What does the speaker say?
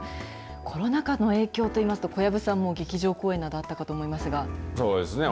コロナ禍の影響といいますと、小籔さんも劇場公演など、あったかそうですね。